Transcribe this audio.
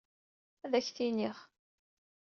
Ad ak-t-iniɣ.